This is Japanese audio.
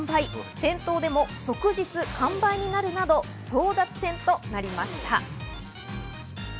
店頭でも即日完売になるなど争奪戦となりました。